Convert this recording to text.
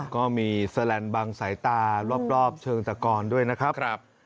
ก็มีแสลนด์บังสายตารอบเชิงตะกอนด้วยนะครับ